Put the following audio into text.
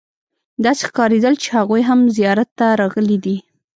داسې ښکارېدل چې هغوی هم زیارت ته راغلي دي.